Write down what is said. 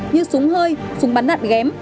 như súng hơi súng bắn đạn ghém